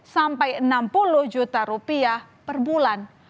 sampai enam puluh juta rupiah per bulan